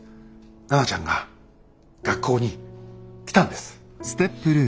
奈々ちゃんが学校に来たんです。